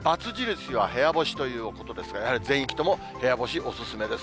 ×印は部屋干しということですが、やはり全域とも部屋干しお勧めです。